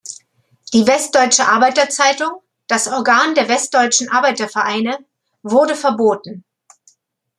Die Westdeutsche Arbeiterzeitung, das Organ der Westdeutschen Arbeitervereine, wurde verboten.